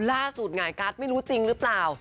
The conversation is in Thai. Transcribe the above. ล่าสุดหลายการ์ดไม่รู้จริงหรือเปล่า